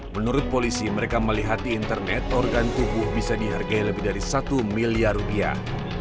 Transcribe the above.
menurut polisi mereka melihat di internet organ tubuh bisa dihargai lebih dari satu miliar rupiah